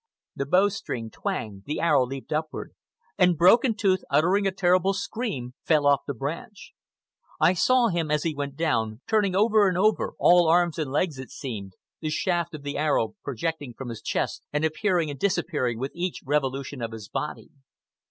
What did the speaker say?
The bow string twanged, the arrow leaped upward, and Broken Tooth, uttering a terrible scream, fell off the branch. I saw him as he went down, turning over and over, all arms and legs it seemed, the shaft of the arrow projecting from his chest and appearing and disappearing with each revolution of his body.